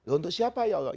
untuk siapa ya allah